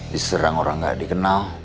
diserang orang gak dikenal